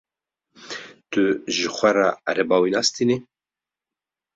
Tu ji xwe ra ereba wî nastînî?